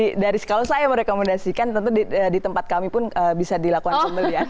kalau saya merekomendasikan tentu di tempat kami pun bisa dilakukan pembelian